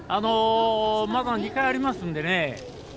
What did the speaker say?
まだ２回ありますんでね。